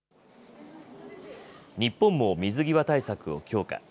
日本も水際対策を強化。